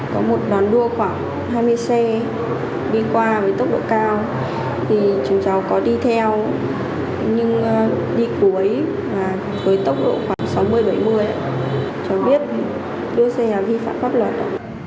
có một đoàn đua khoảng hai mươi xe đi qua với tốc độ cao thì chúng cháu có đi theo nhưng đi cuối với tốc độ khoảng sáu mươi bảy mươi cho biết đưa xe vi phạm pháp luật